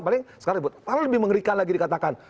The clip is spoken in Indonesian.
paling sekarang lebih mengerikan lagi dikatakan